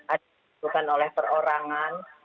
ada yang dibutuhkan oleh perorangan